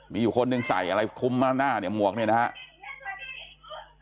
มีอยู่คนหนึ่งใส่อะไรคุ้มข้างหน้าเนี่ยหมวกเนี่ยนะครับ